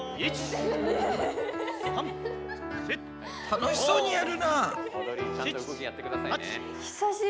楽しそうにやるな。